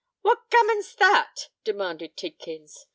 "What gammon's that?" demanded Tidkins.